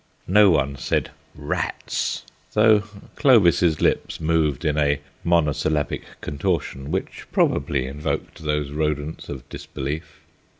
No one said "Rats," though Clovis's lips moved in a monosyllabic contortion which probably invoked those rodents of disbelief.